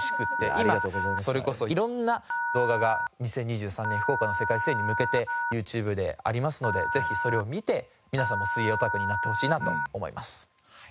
今それこそ色んな動画が２０２３年福岡の世界水泳に向けてＹｏｕＴｕｂｅでありますのでぜひそれを見て皆さんも水泳オタクになってほしいなと思います。